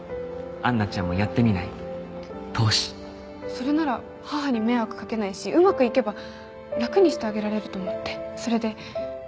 それなら母に迷惑かけないしうまくいけば楽にしてあげられると思ってそれで。